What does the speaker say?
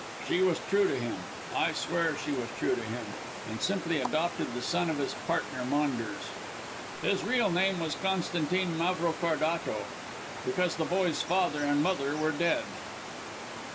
She was true to him; I swear she was true to him, and simply adopted the son of his partner Maunders his real name was Constantine Mavrocordato because the boy's father and mother were dead."